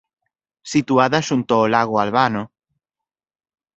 Situada xunto ao lago Albano.